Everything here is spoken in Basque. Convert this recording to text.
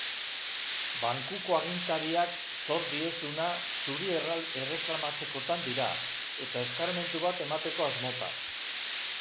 Bankuko agintariak zor diezuna zuri erreklamatzekotan dira, eta eskarmentu bat emateko asmotan.